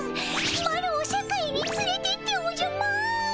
マロを世界につれていっておじゃマーン。